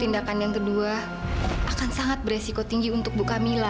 dan kedua akan sangat beresiko tinggi untuk bu kamila